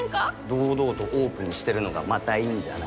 堂々とオープンにしてるのがまたいいんじゃない？